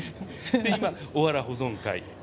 今、おわら保存会と。